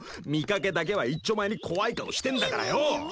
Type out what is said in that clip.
見かけだけはいっちょ前に怖い顔してんだからよ。